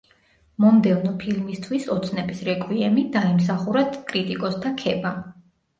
მომდევნო ფილმისთვის „ოცნების რეკვიემი“ დაიმსახურა კრიტიკოსთა ქება.